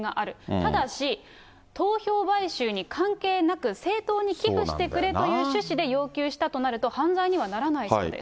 ただし、投票買収に関係なく、政党に寄付してくれという趣旨で要求したとなると、犯罪にはならないそうです。